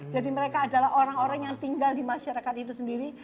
jadi mereka adalah orang orang yang tinggal di masyarakat itu sendiri